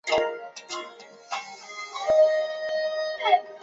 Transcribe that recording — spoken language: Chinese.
新芬党都柏林总部设于广场西侧。